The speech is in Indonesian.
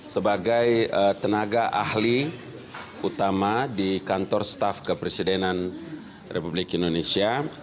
sebagai tenaga ahli utama di kantor staff kepresidenan republik indonesia